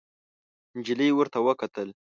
نجلۍ ورته وکتل.